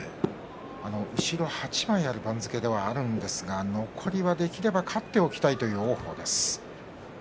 後ろ８枚残ってる番付ではありますが残り、できれば勝っておきたいという王鵬です。